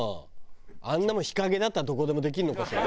あんなもん日陰だったらどこでもできるのかしら？